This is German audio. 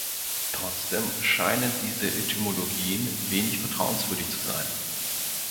Trotzdem scheinen diese Etymologien wenig vertrauenswürdig zu sein.